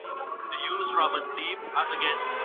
په مېلمستیا کي بخل نه کېږي.